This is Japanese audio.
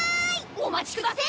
お待ちくだせえ！